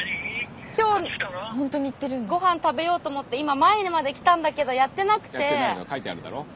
ごはん食べようと思って今前まで来たんだけどやってなくて。